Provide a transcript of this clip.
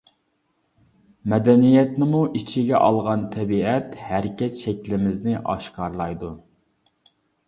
مەدەنىيەتنىمۇ ئىچىگە ئالغان تەبىئەت ھەرىكەت شەكلىمىزنى ئاشكارىلايدۇ.